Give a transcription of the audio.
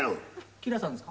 吉良さんですか？